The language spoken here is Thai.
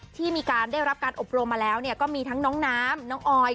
ที่มีการได้รับการอบรมมาแล้วก็มีทั้งน้องน้ำน้องออย